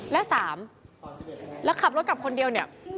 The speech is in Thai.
๓แล้วก็ขับรถกลับคนเดียว